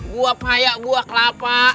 gue payak gue kelapa